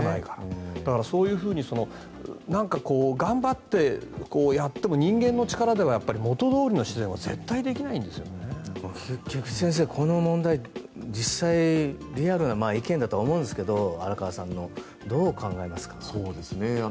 だから、そういうふうに頑張ってやっても人間の力では元どおりの自然には菊地先生、この問題実際にリアルな意見だとは思うんですが荒川さんの。どう考えますか。